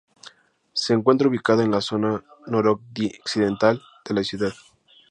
Se encuentra ubicada en la zona noroccidental de la ciudad.